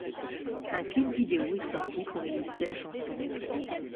Un clip vidéo est sorti pour illustrer la chanson.